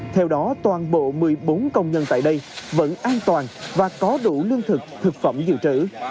theo đó toàn bộ một mươi bốn công nhân tại đây vẫn an toàn và có đủ lương thực thực phẩm dự trữ